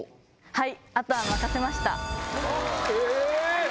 はい！